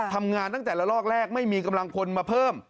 ทำงานตั้งแต่ละลอกแรกไม่มีกำลังพลมาเพิ่ม